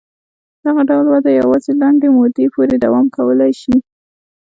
دغه ډول وده یوازې لنډې مودې پورې دوام کولای شي.